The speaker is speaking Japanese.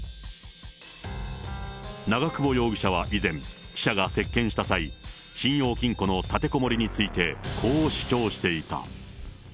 長久保容疑者は以前、記者が接見した際、信用金庫の立てこもりについて、こう主張していた。